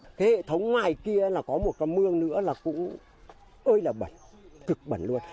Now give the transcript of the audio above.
cái hệ thống ngoài kia là có một cái mưa nữa là cũng ơi là bẩn cực bẩn luôn